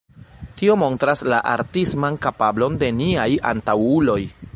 Tio montras la artisman kapablon de niaj antaŭuloj.